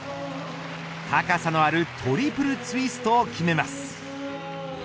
高さのあるトリプルツイストを決めます。